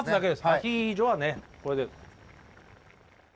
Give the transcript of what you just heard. アヒージョはねこれで。